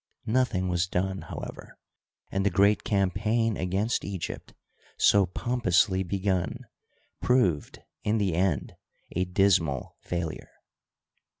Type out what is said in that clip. Nothing was done, however, and the great campaign against Egypt, so pomp ously begun, proved in the end a dismal failure.